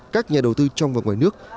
các nhà đầu tư trong và ngoài nước